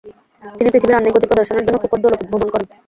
তিনি পৃথিবীর আহ্নিক গতির প্রদর্শনের জন্য ফুকোর দোলক উদ্ভাবন করেন।